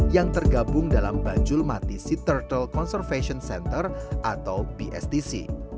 yang tergabung dalam bajulmati sea turtle conservation center atau bstc